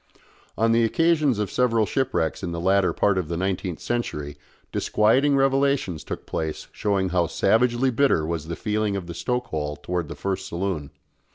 On the occasions of several shipwrecks in the latter part of the nineteenth century disquieting revelations took place showing how savagely bitter was the feeling of the stoke hole towards the first saloon.